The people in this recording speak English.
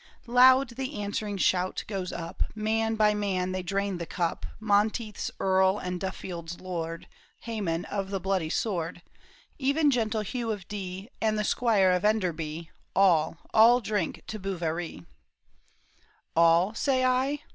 " Loud the answering shout goes up, Man by man they drain the cup, Monteith's earl and Dufiield's lord, Hamon of the bloody sword, Even gentle Hugh of Dee, And the squire of Enderby, All, all drink to Bouverie. THE TOWER OF BOUVERIE. All, say I